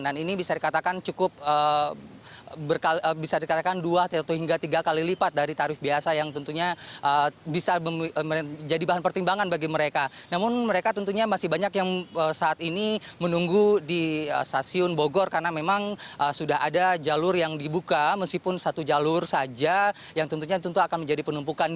dan ini bisa dikatakan cukup